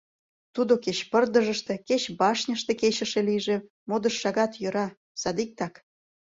Тудо кеч пырдыжыште, кеч башньыште кечыше лийже, модыш шагатат йӧра — садиктак.